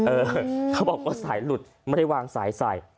เออเขาบอกว่าสายหลุดไม่ได้วางสายใส่